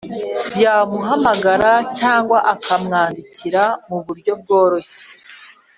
yamuhamagara cyangwa akamwandikira muburyo bworoshye.